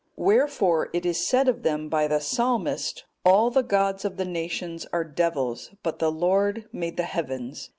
Wherefore it is said of them by the Psalmist, 'All the gods of the nations are devils,(221) but the Lord made the heavens.